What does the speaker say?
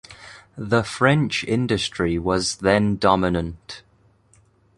The French industry was then dominant.